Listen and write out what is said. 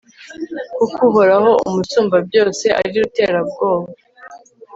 kuko uhoraho, umusumbabyose, ari ruterabwoba